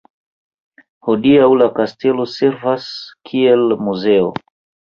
Hodiaŭ la Kastelo servas kiel muzeo.